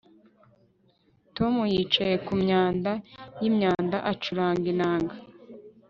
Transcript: Tom yicaye kumyanda yimyanda acuranga inanga